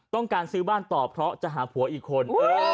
ต้องการซื้อบ้านต่อเพราะจะหาผัวอีกคน